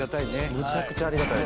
「むちゃくちゃありがたい」